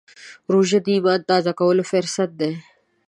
روژه د ایمان تازه کولو فرصت دی.